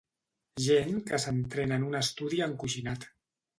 Gent que s'entrena en un estudi encoixinat.